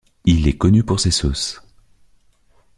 Il est connu pour ses sauces.